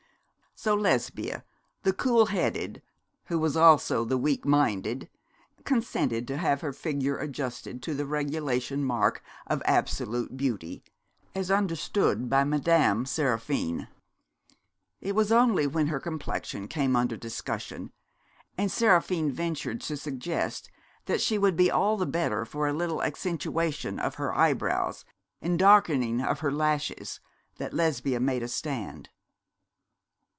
So Lesbia, the cool headed, who was also the weak minded, consented to have her figure adjusted to the regulation mark of absolute beauty, as understood by Madame Seraphine. It was only when her complexion came under discussion, and Seraphine ventured to suggest that she would be all the better for a little accentuation of her eyebrows and darkening of her lashes, that Lesbia made a stand.